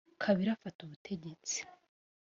kabila afata ubutegetsi